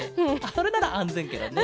それならあんぜんケロね。